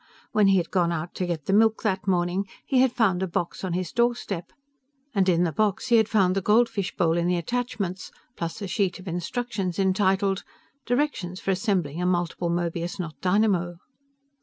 When he had gone out to get the milk that morning he had found a box on his doorstep, and in the box he had found the goldfish bowl and the attachments, plus a sheet of instructions entitled, DIRECTIONS FOR ASSEMBLING A MULTIPLE MÖBIUS KNOT DYNAMO.